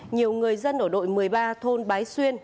nhiều người dân ở đội một mươi ba thôn